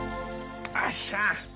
よっしゃ。